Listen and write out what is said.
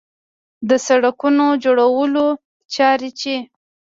د سړکونو جوړولو چارې چې